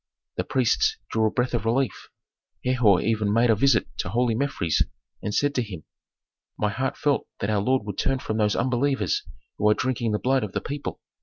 The priests drew a breath of relief. Herhor even made a visit to holy Mefres and said to him, "My heart felt that our lord would turn from those unbelievers who are drinking the blood of the people.